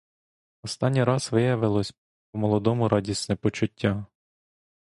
Останній раз виявилось по-молодому радісне почуття.